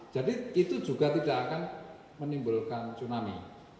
jadi itu juga tidak akan menimbulkan tsunami